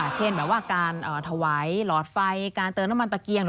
เช่นแบบว่าการถวายหลอดไฟการเติมน้ำมันตะเกียง